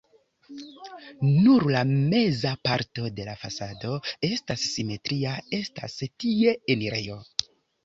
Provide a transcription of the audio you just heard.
Nur la meza parto de la fasado estas simetria, estas tie la enirejo.